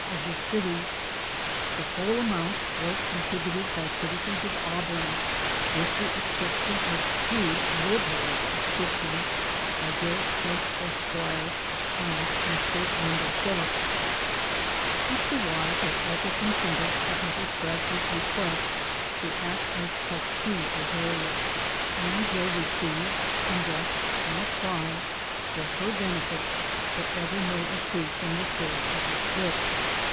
of this city. The whole amount was contributed by citi M79798 INTRODUCTION. zens of Auburn, with the exception of two liberal subscrip tions by Gcrrit Smith, Esq., and Mr. Wendell Phillips. Mr. Wise has also consented, at Mrs. Bradford's request, to act as trustee for Harriet ; and will receive, invest, and apply, for her benefit, whatever may accrue from the sale of this book.